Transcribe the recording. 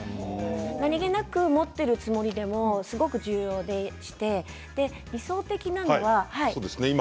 何気なく持っているつもりでもすごく重要でして理想的なのは。